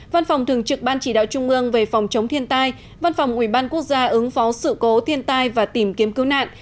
văn phòng thường trực ban chỉ đạo trung ương về phòng chống thiên tai văn phòng ủy ban quốc gia ứng phó sự cố thiên tai và tìm kiếm cứu nạn